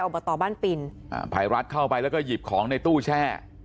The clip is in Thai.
บตบ้านปินอ่าภัยรัฐเข้าไปแล้วก็หยิบของในตู้แช่